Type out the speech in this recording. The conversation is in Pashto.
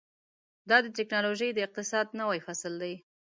دا د ټیکنالوژۍ د اقتصاد نوی فصل دی.